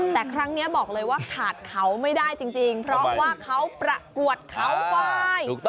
แต่ครั้งนี้บอกเลยว่าขาดเขาไม่ได้จริงเพราะว่าเขาประกวดเขาไฟ